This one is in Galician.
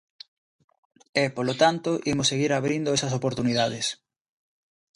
E, polo tanto, imos seguir abrindo esas oportunidades.